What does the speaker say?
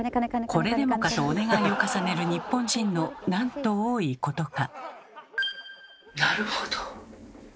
これでもかとお願いを重ねる日本人のなんと多いことか。